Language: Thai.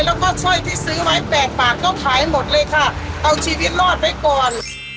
แล้วก็ช่วยที่ซื้อไว้๘บาทก็ขายหมดเลยค่ะเอาชีวิตรอดไปก่อน